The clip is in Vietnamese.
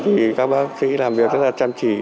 thì các bác sĩ làm việc rất là chăm chỉ